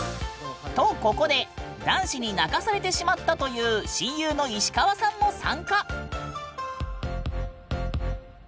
とここで男子に泣かされてしまったという親友のイシカワさんも参加ＯＫ？